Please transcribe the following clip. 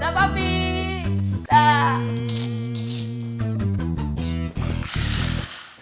daaah papi daaah